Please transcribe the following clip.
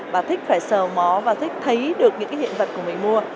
và thích phải sờ mó và thích thấy được những cái hiện vật của mình mua